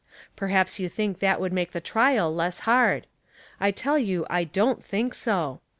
Perhaps you think that would make the trial less hard. I tell you I dont think so.